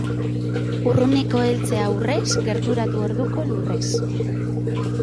Urruneko eltzea urrez, gerturatu orduko lurrez.